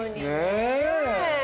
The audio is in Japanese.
ねえ。